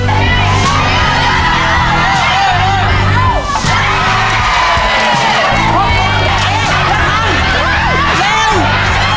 เกมต่อชีวิต